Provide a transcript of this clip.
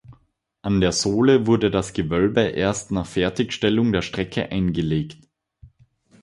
An der Sohle wurde das Gewölbe erst nach Fertigstellung der Strecke eingelegt.